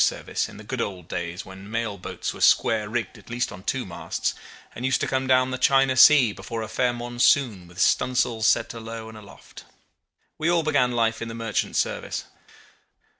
service in the good old days when mail boats were square rigged at least on two masts, and used to come down the China Sea before a fair monsoon with stun' sails set alow and aloft. We all began life in the merchant service.